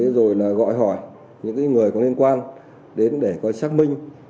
rồi là gọi hỏi những người có liên quan đến để coi xác minh